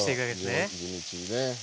そう地道にね。